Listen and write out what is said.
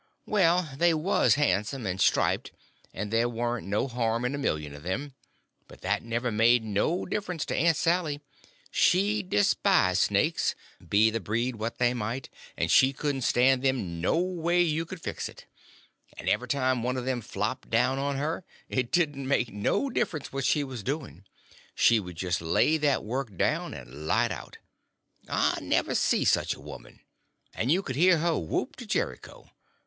Well, they was handsome and striped, and there warn't no harm in a million of them; but that never made no difference to Aunt Sally; she despised snakes, be the breed what they might, and she couldn't stand them no way you could fix it; and every time one of them flopped down on her, it didn't make no difference what she was doing, she would just lay that work down and light out. I never see such a woman. And you could hear her whoop to Jericho.